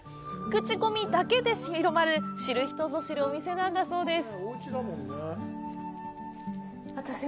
口コミだけで広まる知る人ぞ知るお店なんだそうです。